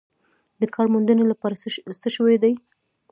د کار موندنې لپاره څه شوي دي؟